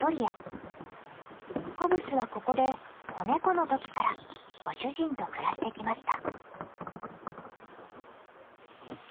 ホブスはここで子ネコの時からご主人と暮らしてきました。